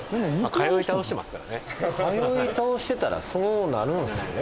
通い倒してたらそうなるんすね